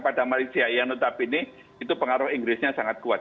ada malaysia yang menetap ini itu pengaruh inggrisnya sangat kuat